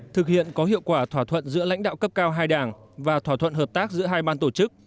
thực hiện có hiệu quả thỏa thuận giữa lãnh đạo cấp cao hai đảng và thỏa thuận hợp tác giữa hai ban tổ chức